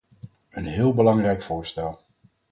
Een heel belangrijk voorstel.